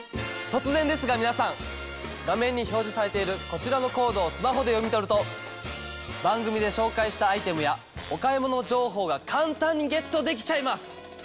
突然ですが皆さん画面に表示されているこちらのコードをスマホで読み取ると番組で紹介したアイテムやお買い物情報が簡単にゲットできちゃいます！